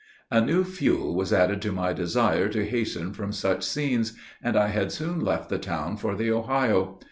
"A new fuel was added to my desire to hasten from such scenes; and I had soon left the town for the Ohio.